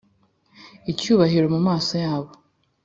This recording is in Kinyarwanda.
Icyubahiro mu maso yabo